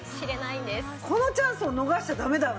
このチャンスを逃しちゃダメだよね。